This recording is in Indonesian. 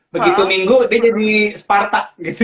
begitu minggu dia jadi spartak gitu